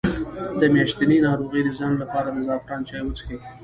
د میاشتنۍ ناروغۍ د ځنډ لپاره د زعفران چای وڅښئ